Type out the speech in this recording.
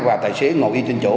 và tài xế ngồi yên trên chỗ